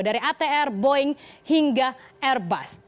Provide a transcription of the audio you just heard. dari atr boeing hingga airbus